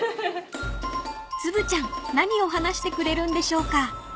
［ツブちゃん何を話してくれるんでしょうか］